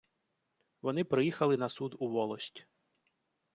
Вони приїхали на суд у волость.